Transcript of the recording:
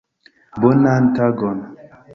Bonan tagon.